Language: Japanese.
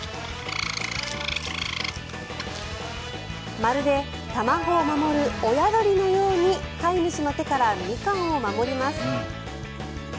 まるで卵を守る親鳥のように飼い主の手からミカンを守ります。